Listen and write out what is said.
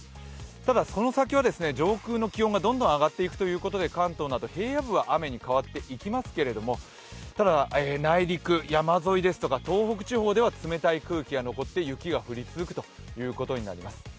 ただ、その先は上空の気温がどんどん上がっていくということで関東など平野部は雨に変わっていきますけれども、ただ内陸、山沿いですとか東北地方では冷たい空気が残って雪が降り続くということになります。